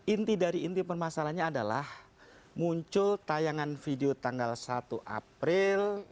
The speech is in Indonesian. inti dari inti permasalahannya adalah muncul tayangan video tanggal satu april